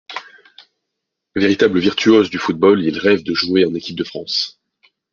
Véritable virtuose du football, il rêve de jouer en équipe de France.